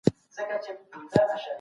پيغمبر د حق غږ اوچت کړ.